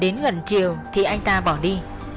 đến gần chiều thì anh ta bỏ đi